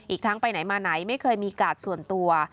ทั้งไปไหนมาไหนไม่เคยมีกาดส่วนตัว